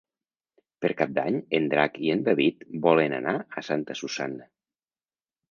Per Cap d'Any en Drac i en David volen anar a Santa Susanna.